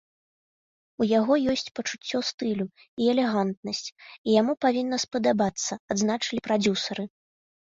У яго ёсць пачуццё стылю і элегантнасць, і яму павінна спадабацца, адзначылі прадзюсары.